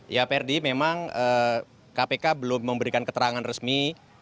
ya perdi memang kpk belum memberikan keterangan resmi